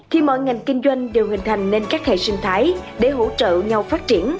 khi mọi ngành kinh doanh đều hình thành nên các hệ sinh thái để hỗ trợ nhau phát triển